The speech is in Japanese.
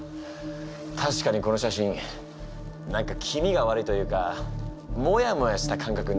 たしかにこの写真何か気味が悪いというかモヤモヤした感覚になる。